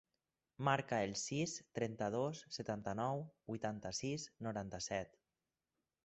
Marca el sis, trenta-dos, setanta-nou, vuitanta-sis, noranta-set.